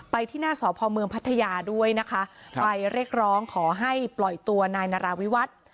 ที่หน้าสพเมืองพัทยาด้วยนะคะไปเรียกร้องขอให้ปล่อยตัวนายนาราวิวัตร